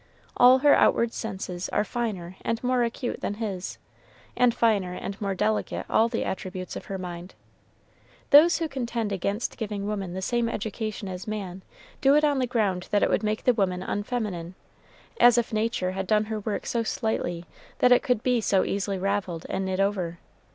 All her outward senses are finer and more acute than his, and finer and more delicate all the attributes of her mind. Those who contend against giving woman the same education as man do it on the ground that it would make the woman unfeminine, as if Nature had done her work so slightly that it could be so easily raveled and knit over.